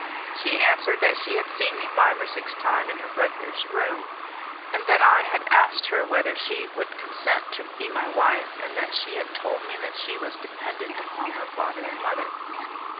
She answered that she had seen me five or six times in her brother's room, that I had asked her whether she would consent to be my wife, and that she had told me that she was dependent upon her father and mother.